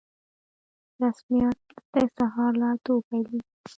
رسميات د سهار له اتو پیلیږي